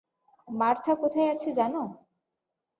Martha কোথায় আছে জানো?